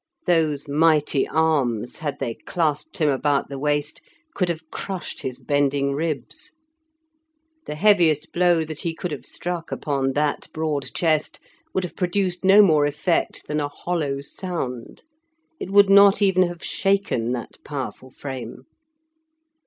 Those mighty arms, had they clasped him about the waist, could have crushed his bending ribs. The heaviest blow that he could have struck upon that broad chest would have produced no more effect than a hollow sound; it would not even have shaken that powerful frame.